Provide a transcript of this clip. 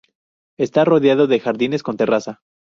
Está rodeado de jardines con terraza.